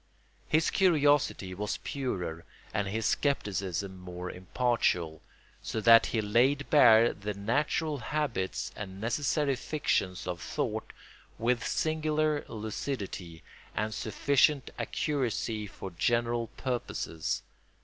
His curiosity was purer and his scepticism more impartial, so that he laid bare the natural habits and necessary fictions of thought with singular lucidity, and sufficient accuracy for general purposes.